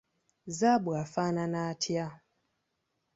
Zzaabu afaanana atya?